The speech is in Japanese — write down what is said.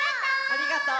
ありがとう！